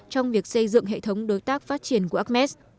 trong việc xây dựng hệ thống đối tác phát triển của acmes